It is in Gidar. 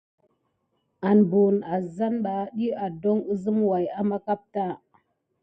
An buwune azzane ɓà, ɗiy adoŋ əzem way ama kapta.